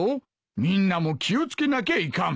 みんなも気を付けなきゃいかん。